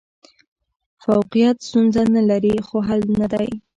فوقیت ستونزه نه لري، خو حل نه دی.